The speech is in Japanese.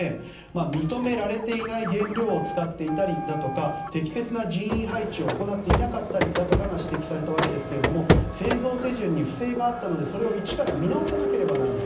認められていない原料を使っていたりだとか適切な人員配置を行っていなかったりだとかが指摘されたわけですが製造手順に不正があったのでそれを一から見直さなければならない。